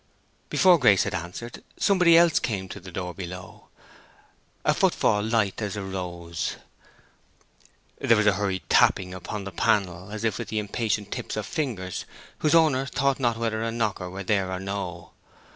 Before Grace had answered somebody else came to the door below—a foot fall light as a roe's. There was a hurried tapping upon the panel, as if with the impatient tips of fingers whose owner thought not whether a knocker were there or no.